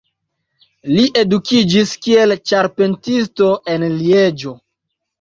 Li edukiĝis kiel ĉarpentisto en Lieĝo.